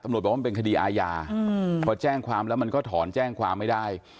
บอกว่ามันเป็นคดีอาญาพอแจ้งความแล้วมันก็ถอนแจ้งความไม่ได้